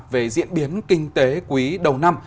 về diễn biến kinh tế quý đầu năm